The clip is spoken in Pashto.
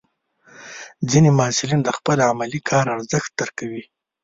ځینې محصلین د خپل علمي کار ارزښت درکوي.